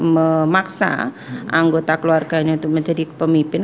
memaksa anggota keluarganya itu menjadi pemimpin